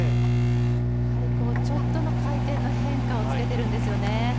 やはりちょっとの回転の変化をつけてるんですよね。